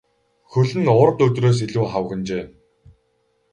Хөл нь урд өдрөөс илүү хавагнажээ.